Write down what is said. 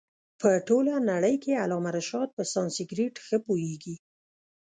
په ټوله نړۍ کښي علامه رشاد په سانسکرېټ ښه پوهيږي.